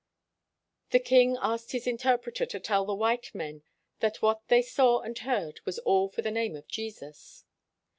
The king asked his interpre ter to tell the white men that what they saw and heard was all for the name of Jesus.